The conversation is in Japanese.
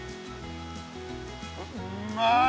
うまい。